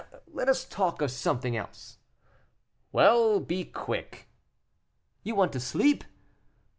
"Let us talk of something else." "Well, be quick." "You want to sleep?"